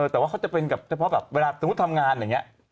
แต่ว่าเขาจะเป็นกับเฉพาะแบบเวลาสมมุติทำงานอย่างนี้